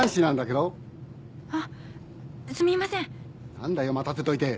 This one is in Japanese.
何だよ待たせといて。